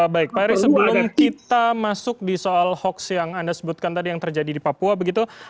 baik pak heri sebelum kita masuk di soal hoax yang anda sebutkan tadi yang terjadi di papua begitu